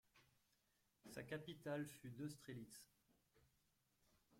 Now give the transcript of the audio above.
Sa capitale fut Neustrelitz.